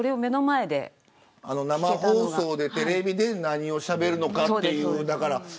生放送で何をしゃべるのかという。